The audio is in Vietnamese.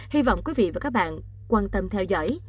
hy vọng quý vị và các bạn quan tâm theo dõi